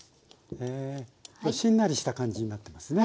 しんなりした感じになってますね。